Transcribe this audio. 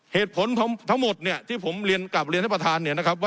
เหตุผลทั้งหมดที่ผมเรียนกลับเรียนให้ประธาน